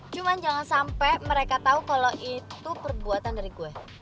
cuma jangan sampai mereka tahu kalau itu perbuatan dari gue